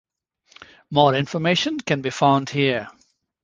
More information can be found here.